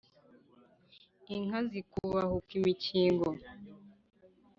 inka zikubahuka imikingo.